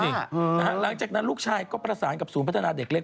หลังจากนั้นลูกชายก็ประสานกับศูนย์พัฒนาเด็กเล็ก